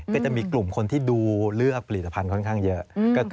ก็จะมีกลุ่มคนที่ดูเรื่องผลิตภัณฑ์ค่อนข้างเยอะ